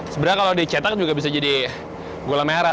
sebenarnya kalau dicetak juga bisa jadi gula merah